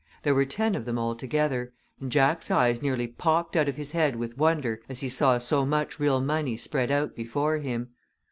There were ten of them altogether, and Jack's eyes nearly popped out of his head with wonder as he saw so much real money spread out before him.